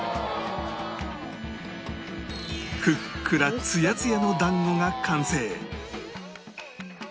ふっくらツヤツヤの団子が完成